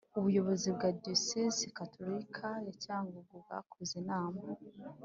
ubuyobozi bwa diyosezi gatolika ya cyangugu bwakoze inama